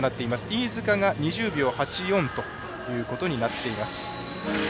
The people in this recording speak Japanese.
飯塚が２０秒８４ということになっています。